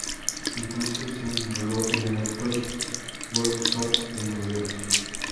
Entonces se enroló en el Actors Workshops de Nueva York.